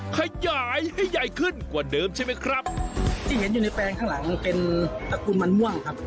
ขยายให้ใหญ่ขึ้นกว่าเดิมใช่ไหมครับที่เห็นอยู่ในแปลงข้างหลังมันเป็นตระกุลมันม่วงครับ